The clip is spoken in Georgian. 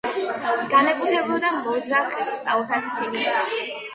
განეკუთვნებოდა მოძრავ დღესასწაულთა ციკლს.